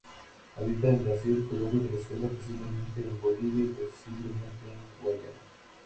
Habita en Brasil, Colombia, Venezuela, posiblemente en Bolivia y posiblemente en Guayana.